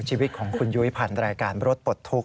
ชีวิตของคุณยุ้ยผ่านรายการรถปลดทุกข